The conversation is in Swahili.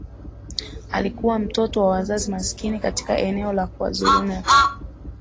alikuwa mtoto wa wazazi maskini katika eneo la kwaZulunatal